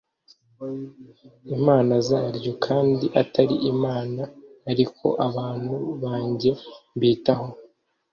Imana zaryo kandi atari imana ariko abantu banjye mbitaho